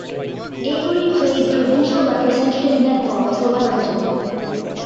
Avery played provincial representative netball for Wellington.